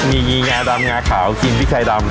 มีหญิงงาดำงาขาวปีนพริกไทยดำ